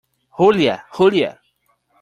Julia , Julia .